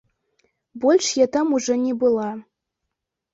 Больш я там ужо не была.